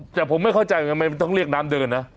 แต่ผมไม่เข้าใจว่าทำไมมันต้องเรียกน้ำเดินนะ